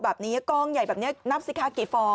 บับนี้กองใหญ่แบบนี้นับสิคะ